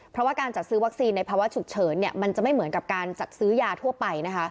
เพราะว่าการจัดซื้อวัคซีนในภาวะฉุกเฉินมันจะไม่เหมือนกับการจัดซื้อยาทั่วไปนะคะ